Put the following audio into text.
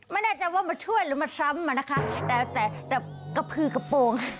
ไม่แน่ใจว่ามาช่วยหรือมาซ้ำอ่ะนะคะแต่แต่กระพือกระโปรง